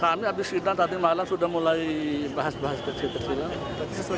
kami habis sidang tadi malam sudah mulai bahas bahas kecil kecilan